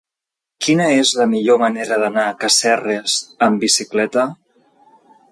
Quina és la millor manera d'anar a Casserres amb bicicleta?